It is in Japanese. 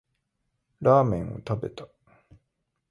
ラーメンを食べた